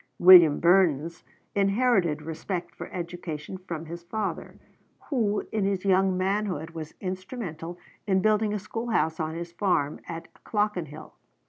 William Burness inherited respect for education from his father, who in his young manhood was instrumental in building a schoolhouse on his farm at Clockenhill.